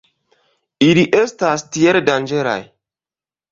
Ili estas tiel danĝeraj.